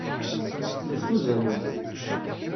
Msudanen.